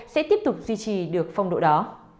sẽ tiếp tục duy trì được phong độ đó